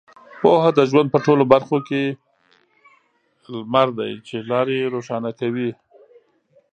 پوهه د ژوند په ټولو برخو کې لمر دی چې لارې روښانه کوي.